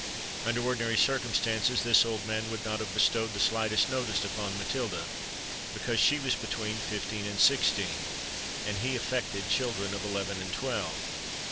Under ordinary circumstances this old man would not have bestowed the slightest notice upon Matilda; because she was between fifteen and sixteen, and he affected children of eleven and twelve.